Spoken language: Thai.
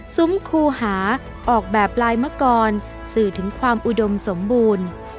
ซุ้มคูหาออกแบบลายมะกรสื่อถึงความอุดมสมบูรณ์